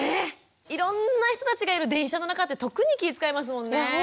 いろんな人たちがいる電車の中って特に気遣いますもんねえ。